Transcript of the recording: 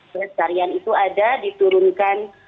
pelestarian itu ada diturunkan